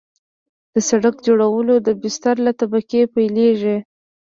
د سرک جوړول د بستر له طبقې پیلیږي